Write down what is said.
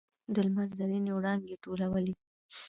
د لمر زرینې وړانګې ټولولې.